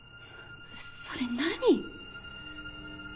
それ何？